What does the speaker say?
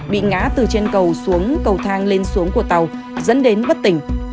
bị ngã từ trên cầu xuống cầu thang lên xuống của tàu dẫn đến bất tỉnh